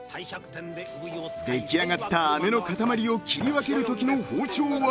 ［出来上がったあめの塊を切り分けるときの包丁技］